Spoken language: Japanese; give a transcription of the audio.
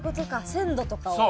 鮮度とかを。